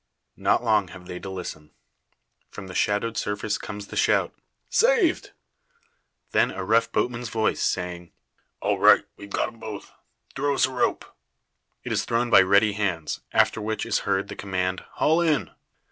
Not long have they to listen. From the shadowed surface comes the shout, "Saved!" Then, a rough boatman's voice, saying: "All right! We've got 'em both. Throw us a rope." It is thrown by ready hands, after which is heard the command, "Haul in!"